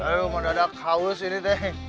ayo wadadang haus ini teh